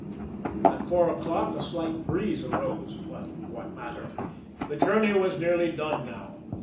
At four o'clock a slight breeze arose; but what matter? The journey was nearly done now.